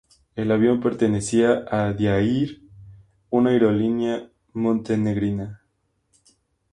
El avión pertenecía a Di Air, una aerolínea montenegrina.